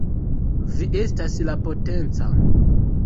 Vi estas la Potenca!